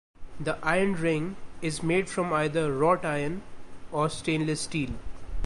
The Iron Ring is made from either wrought iron or stainless steel.